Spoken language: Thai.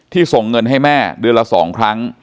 ส่งเงินให้แม่เดือนละ๒ครั้ง